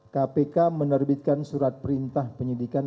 kpk menerbitkan surat perintah penyidikan